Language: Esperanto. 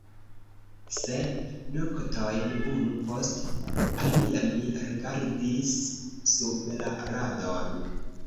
Sep noktojn unu post alia mi rigardis sub la radon.